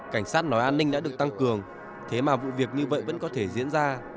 cảnh sát nói an ninh đã được tăng cường thế mà vụ việc như vậy vẫn có thể diễn ra